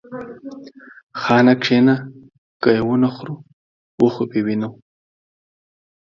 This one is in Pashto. خان! کښينه که ونه خورو و خو به وينو.